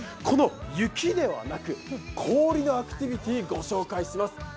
この雪ではなく、氷のアクティビティ御紹介します。